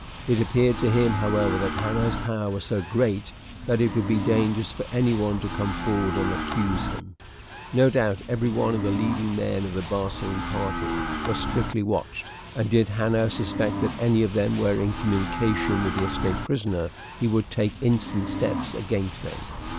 It appeared to him, however, that Hanno's power was so great that it would be dangerous for anyone to come forward and accuse him. No doubt every one of the leading men of the Barcine party was strictly watched; and did Hanno suspect that any of them were in communication with the escaped prisoner, he would take instant steps against them.